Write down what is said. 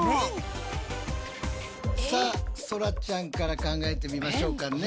さあそらちゃんから考えてみましょうかね。